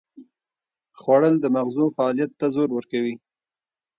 خوړل د مغزو فعالیت ته زور ورکوي